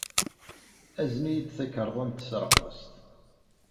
Aznet-iyi-d takarḍa n tesreqqest.